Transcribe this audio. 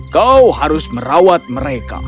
kau harus merawat mereka